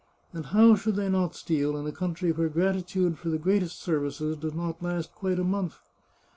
And how should they not steal, in a country where gratitude for the greatest services does not last quite a month